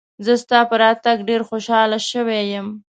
زه ستا په راتګ ډېر خوشاله شوی یم.